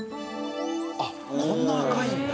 あっこんな赤いんだ。